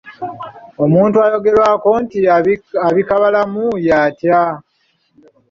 Omuntu ayogerwako nti abika balamu y'atya?